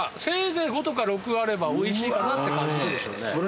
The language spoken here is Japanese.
せいぜい５とか６あればおいしいかなって感じするでしょうね。